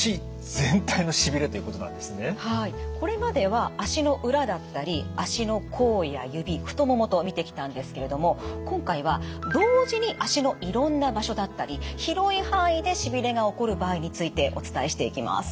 これまでは足の裏だったり足の甲や指太ももと見てきたんですけれども今回は同時に足のいろんな場所だったり広い範囲でしびれが起こる場合についてお伝えしていきます。